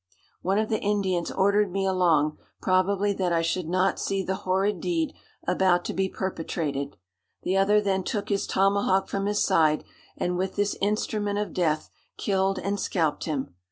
"One of the Indians ordered me along, probably that I should not see the horrid deed about to be perpetrated. The other then took his tomahawk from his side, and with this instrument of death killed and scalped him.